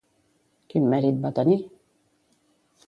Quin mèrit va tenir?